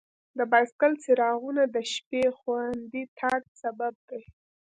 د بایسکل څراغونه د شپې خوندي تګ سبب دي.